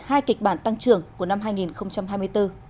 hai kịch bản tăng trưởng của năm hai nghìn hai mươi bốn